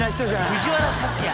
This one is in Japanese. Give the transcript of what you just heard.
藤原竜也